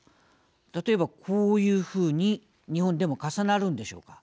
例えば、こういうふうに日本でも重なるんでしょうか。